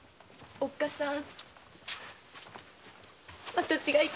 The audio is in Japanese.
おっかさん